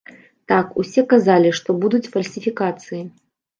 Так, усе казалі, што будуць фальсіфікацыі.